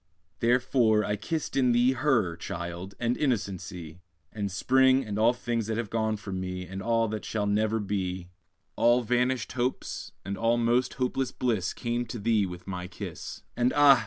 Therefore I kissed in thee Her, child! and innocency, And spring, and all things that have gone from me, And that shall never be; All vanished hopes, and all most hopeless bliss, Came with thee to my kiss. And ah!